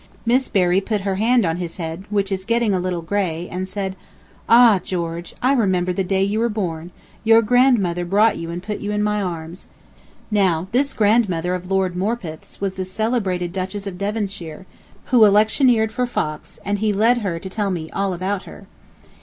Miss Berry put her hand on his head, which is getting a little gray, and said: "Ah, George, and I remember the day you were born, your grandmother brought you and put you in my arms." Now this grandmother of Lord Morpeth's was the celebrated Duchess of Devonshire, who electioneered for Fox, and he led her to tell me all about her.